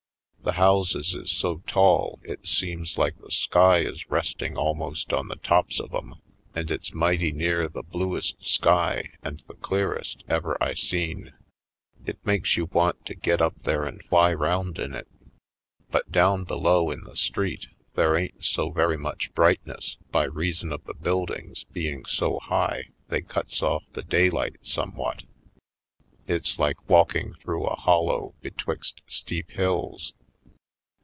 The houses is so tall it seems like the sky is resting almost on the tops of 'em and it's mighty near the bluest sky and the clearest ever I seen. It makes you want to get up there and fly round in it. But down below in the street there ain't so very much brightness by rea sons of the buildings being so high they cuts off the daylight somewhat. It's like walking through a hollow betwixt steep hills.